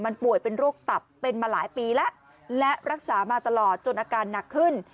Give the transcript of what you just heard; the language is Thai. มันป่วยเป็นโรคตับเป็นมาหลายปีแล้วและรักษามาตลอดจนอาการหนักขึ้น